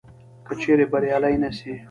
که چیري بریالي نه سي